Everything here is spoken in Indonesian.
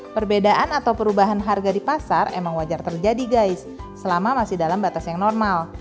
perbedaan atau perubahan harga di pasar emang wajar terjadi guys selama masih dalam batas yang normal